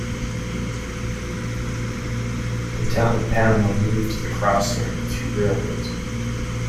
The town of Panama moved to the crossing of the two railroads.